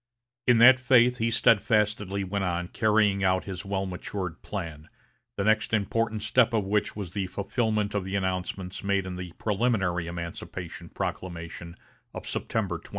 In that faith he steadfastly went on carrying out his well matured plan, the next important step of which was the fulfilment of the announcements made in the preliminary emancipation proclamation of September 22.